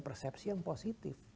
persepsi yang positif